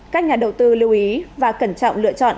các nhà đầu tư lưu ý và cẩn trọng lựa chọn